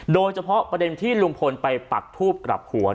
โดยเฉพาะประเด็นที่ลุงพลไปปักทูบกลับหัว